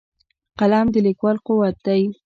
قلم د لیکوال قوت دی